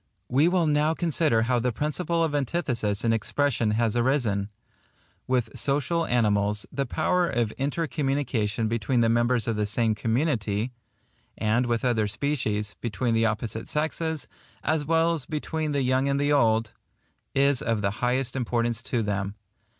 We will now consider how the principle of antithesis in expression has arisen. With social animals, the power of intercommunication between the members of the same community,—and with other species, between the opposite sexes, as well as between the young and the old,—is of the highest importance to them.